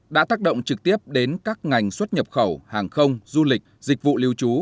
đã tác động trực tiếp đến các ngành xuất nhập khẩu hàng không du lịch dịch vụ lưu trú